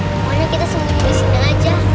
pokoknya kita sembunyi di sini aja